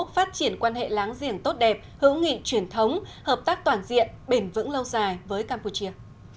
phát triển quan hệ láng giềng tốt đẹp hữu nghị truyền thống hợp tác toàn diện bền vững lâu dài với campuchia